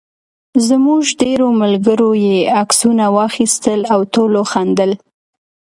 زموږ ډېرو ملګرو یې عکسونه واخیستل او ټولو خندل.